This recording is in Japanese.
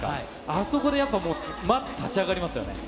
あそこでやっぱ、まず立ち上がりますよね。